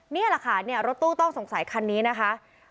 นี่แหละค่ะเนี่ยรถตู้ต้องสงสัยคันนี้นะคะ